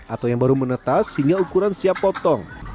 atau yang baru menetas hingga ukuran siap potong